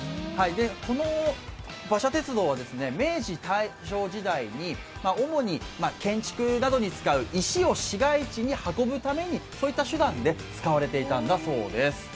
この馬車鉄道は明治・大正時代に、主に建築などに使う石を市街地に運ぶために、そういった手段で使われていたんだそうです。